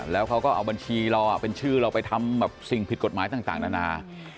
แล้วเขาก็เอาบัญชีเราเป็นชื่อเราไปทำสิ่งผิดกฎหมายต่างนานา